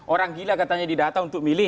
orang gila katanya didata untuk milih